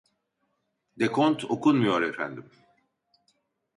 Dekont okunmuyor efendim